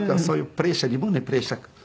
そういうプレッシャー自分でプレッシャー。